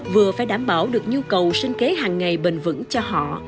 vừa phải đảm bảo được nhu cầu sinh kế hàng ngày bền vững cho họ